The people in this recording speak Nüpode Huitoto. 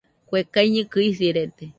Kue kaiñɨkɨ isirede